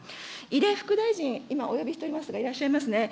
いで副大臣、今、お呼びしておりますが、いらっしゃいますね。